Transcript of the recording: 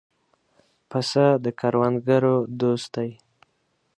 پسه د کروندګرو دوست دی.